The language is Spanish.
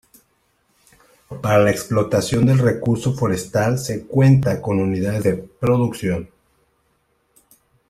Para la explotación del recurso forestal se cuenta con unidades de producción.